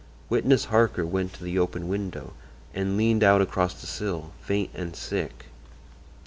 Witness Harker went to the open window and leaned out across the sill, faint and sick.